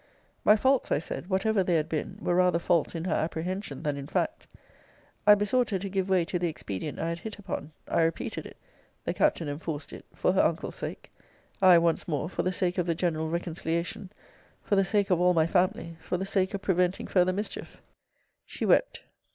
My faults, I said, whatever they had been, were rather faults in her apprehension than in fact. I besought her to give way to the expedient I had hit upon I repeated it. The Captain enforced it, for her uncle's sake. I, once more, for the sake of the general reconciliation; for the sake of all my family; for the sake of preventing further mischief. She wept.